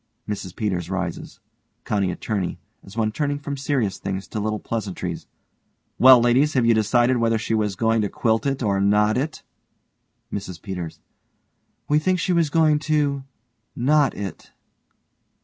MRS PETERS rises.) COUNTY ATTORNEY: (as one turning from serious things to little pleasantries) Well ladies, have you decided whether she was going to quilt it or knot it? MRS PETERS: We think she was going to knot it.